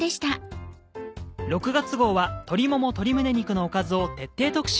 ６月号は鶏もも鶏胸肉のおかずを徹底特集。